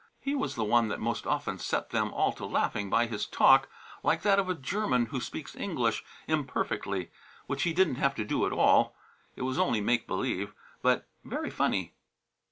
He was the one that most often set them all to laughing by his talk like that of a German who speaks English imperfectly, which he didn't have to do at all. It was only make believe, but very funny.